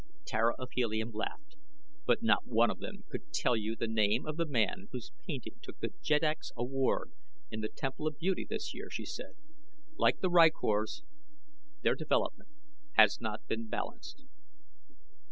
Tara of Helium laughed. "But not one of them could tell you the name of the man whose painting took the Jeddak's Award in The Temple of Beauty this year," she said. "Like the rykors, their development has not been balanced."